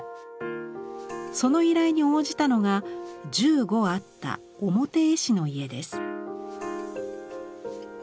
その依頼に応じたのが１５あった「表絵師」の家です。